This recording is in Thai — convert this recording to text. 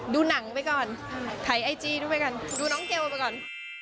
ดูหนังไปก่อนถ่ายไอจีดูไปก่อนดูน้องเกลไปก่อน